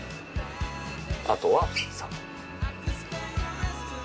あとは魚。